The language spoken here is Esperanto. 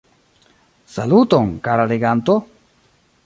Saluton, kara leganto!